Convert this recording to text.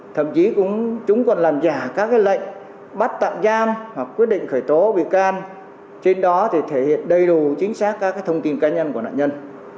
thậm chí chúng còn làm giả các lệnh bắt tạm giam hoặc quyết định khởi tố bị can trên đó thì thể hiện đầy đủ chính xác các thông tin cá nhân của nạn nhân